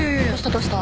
どうした？